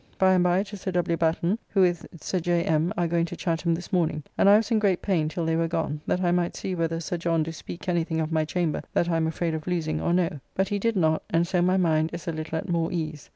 By and by to Sir W. Batten, who with Sir J. M. are going to Chatham this morning, and I was in great pain till they were gone that I might see whether Sir John do speak any thing of my chamber that I am afraid of losing or no. But he did not, and so my mind is a little at more ease.